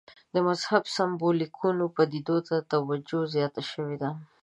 د مذهب سېمبولیکو پدیدو ته توجه زیاته شوې ده.